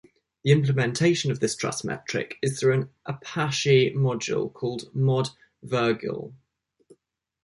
The implementation of this trust metric is through an Apache module called "mod virgule".